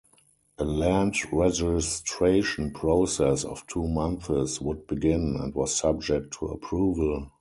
A land registration process of two months would begin and was subject to approval.